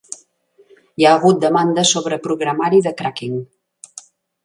Hi ha hagut demandes sobre programari de cracking.